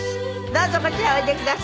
どうぞこちらへおいでください。